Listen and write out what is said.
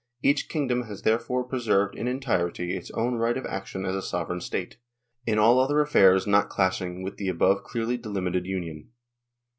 Each kingdom has therefore preserved in entirety its own right of action as a sovereign state, in all other affairs not clashing with the above dearly delimited union.